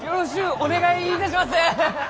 お願いいたします。